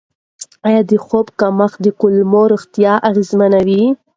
آیا د خوب کمښت د کولمو روغتیا اغېزمنوي؟